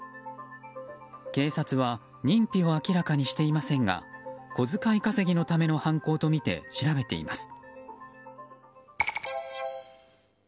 警察は認否を明らかにしていませんが小遣い稼ぎのための犯行とみて調べています。